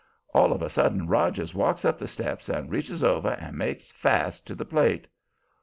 All of a sudden Rogers walks up the steps and reaches over and makes fast to the plate.